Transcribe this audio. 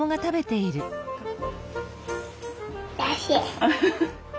おいしい。